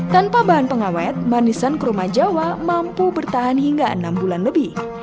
tanpa bahan pengawet manisan kurma jawa mampu bertahan hingga enam bulan lebih